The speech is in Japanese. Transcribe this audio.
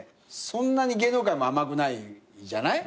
そんなに芸能界も甘くないじゃない。